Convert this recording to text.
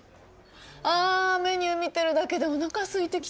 あメニュー見てるだけでおなかすいてきちゃった。